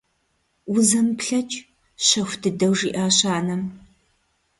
Узэмыплъэкӏ… – щэху дыдэу жиӀащ анэм.